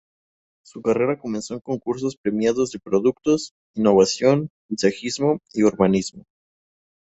Su carrera comenzó en concursos premiados de productos, innovación, paisajismo y urbanismo.